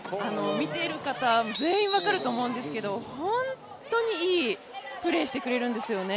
見ている方全員分かると思うんですけど本当にいいプレーしてくれるんですよね。